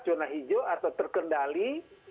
zona hijau atau terkendali